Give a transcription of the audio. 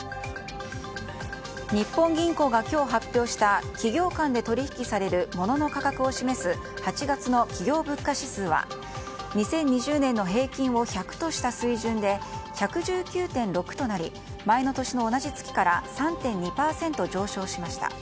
日本銀行が今日発表した企業間で取引される物の価格を示す８月の企業物価指数は２０２０年の平均を１００とした水準で１１９．６となり前の年の同じ月から３．２％上昇しました。